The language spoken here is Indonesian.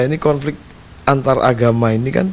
ini konflik antaragama ini kan